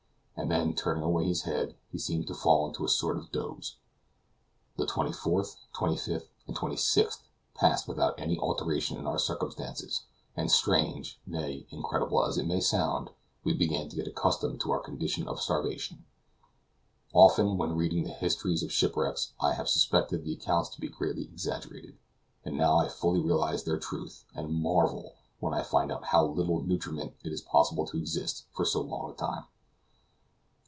And then, turning away his head, he seemed to fall into a sort of doze. The 24th, 25th, and 26th passed without any alteration in our circumstances, and strange, nay, incredible as it may sound, we began to get accustomed to our condition of starvation. Often, when reading the histories of shipwrecks, I have suspected the accounts to be greatly exaggerated; but now I fully realize their truth, and marvel when I find on how little nutriment it is possible to exist for so long a time.